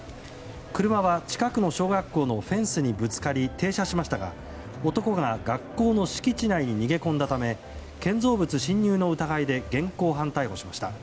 車は近くの小学校のフェンスにぶつかり停車しましたが男が学校の敷地内に逃げ込んだため建造物侵入の疑いで現行犯逮捕しました。